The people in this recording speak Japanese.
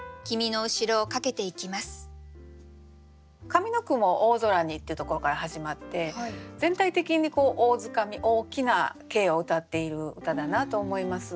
上の句も「大空に」っていうところから始まって全体的にこう大づかみ大きな景をうたっている歌だなと思います。